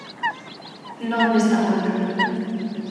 Non desta volta.